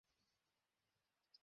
কাজ তো করা লাগবে।